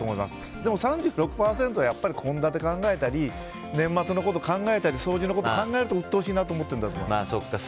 でも３６％はやっぱり献立考えたり年末のこと考えたり掃除のことを考えるとうっとうしいなと思っているんだと思います。